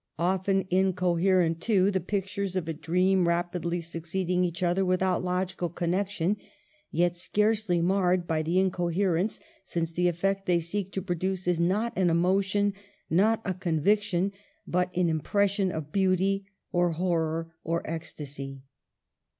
Often incoherent, too, the pictures of a dream rapidly succeeding each other with out logical connection ; yet scarcely marred by the incoherence, since the effect they seek to produce is not an emotion, not a conviction, but an impression of beauty, or horror, or ecstasy.